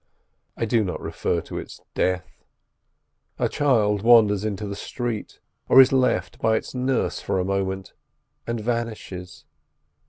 I do not refer to its death. A child wanders into the street, or is left by its nurse for a moment, and vanishes.